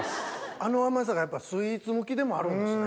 あの甘さがやっぱスイーツ向きでもあるんですね。